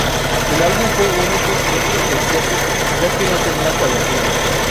El álbum fue único dentro de los propios, ya que no tenía cuadernillo.